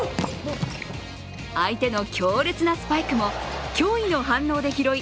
相手の強烈なスパイクも、驚異の反応で拾い